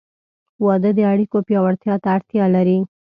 • واده د اړیکو پیاوړتیا ته اړتیا لري.